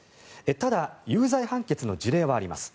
ただ有罪判決の事例はあります。